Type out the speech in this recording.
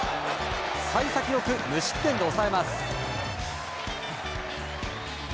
幸先良く無失点で抑えます。